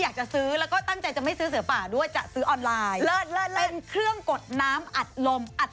เขาเรียกว่าอะไรอ่ะ